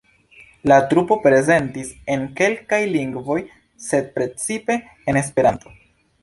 La trupo prezentis en kelkaj lingvoj, sed precipe en Esperanto.